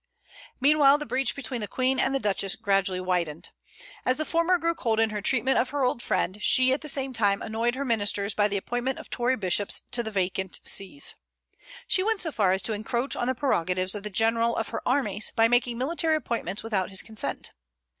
Meanwhile the breach between the Queen and the Duchess gradually widened. And as the former grew cold in her treatment of her old friend, she at the same time annoyed her ministers by the appointment of Tory bishops to the vacant sees. She went so far as to encroach on the prerogatives of the general of her armies, by making military appointments without his consent.